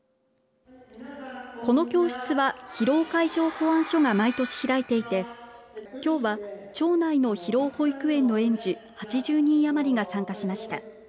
この教室は広尾海上保安署が毎年開いていてきょうは、町内のひろお保育園の園児８０人余りが参加しました。